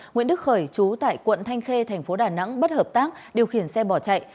nguyễn đức khởi chú tại quận thanh khê thành phố đà nẵng bất hợp tác điều khiển xe bỏ chạy